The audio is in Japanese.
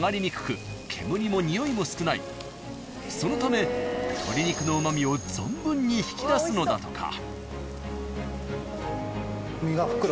［そのため鶏肉のうま味を存分に引き出すのだとか］